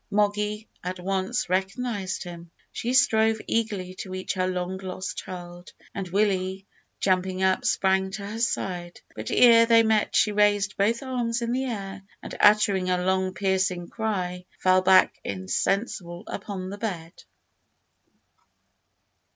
Moggy at once recognised him. She strove eagerly to reach her long lost child, and Willie, jumping up, sprang to her side; but ere they met she raised both arms in the air, and, uttering a long piercing cry, fell back insensible upon the bed.